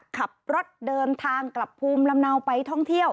ขับรถเดินทางกลับภูมิลำเนาไปท่องเที่ยว